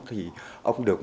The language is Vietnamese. thì ông được